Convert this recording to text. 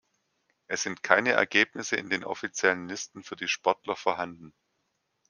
Es sind keine Ergebnisse in den offiziellen Listen für die Sportler vorhanden.